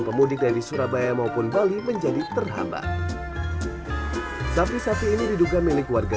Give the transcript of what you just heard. pemudik dari surabaya maupun bali menjadi terhambat sapi sapi ini diduga milik warga